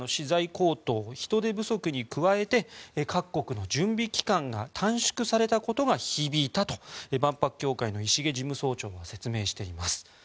高騰人手不足に加えて各国の準備期間が短縮されたことが響いたと万博協会の石毛事務総長は説明しています。